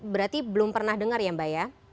berarti belum pernah dengar ya mbak ya